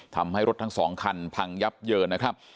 ทำให้รถทั้งสองคันพังยับเยินนะครับ